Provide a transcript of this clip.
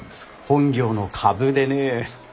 本業の株でね。